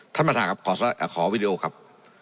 ท่านประธานครับขอวิดีโอครับ